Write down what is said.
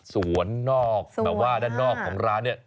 นอกแบบว่าด้านนอกของร้านเนี่ย